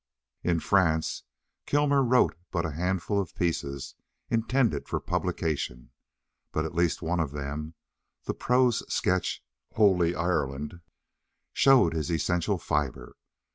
In France, Kilmer wrote but a handful of pieces intended for publication, but at least one of them the prose sketch "Holy Ireland" showed his essential fibre.